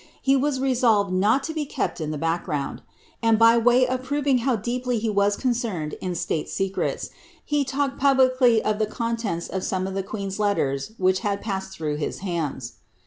Uc waa lesoUed iwt ta be ke^t in the background ; and AICIfE OF DENMAKK. 337 by way of proving how deeply he was concerned in state secrets, he talked publicly of the contents of some of the queen's letters which had passed through his hands.'